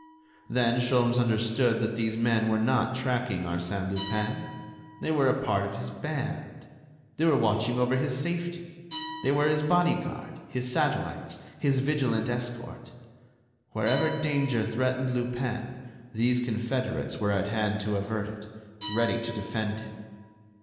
Then Sholmes understood that these men were not tracking Arsène Lupin; they were a part of his band. They were watching over his safety. They were his bodyguard, his satellites, his vigilant escort. Wherever danger threatened Lupin, these confederates were at hand to avert it, ready to defend him.